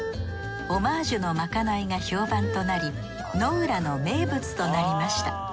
オマージュのまかないが評判となりｎｏｕｒａの名物となりました。